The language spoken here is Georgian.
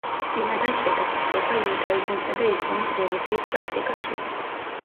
წინადაცვეთა გვხვდება იუდაიზმისა და ისლამის რელიგიის პრაქტიკაშიც.